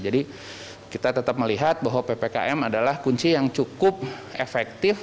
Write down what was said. jadi kita tetap melihat bahwa ppkm adalah kunci yang cukup efektif